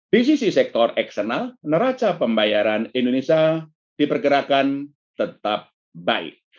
di sisi sektor eksternal neraca pembayaran indonesia diperkirakan tetap baik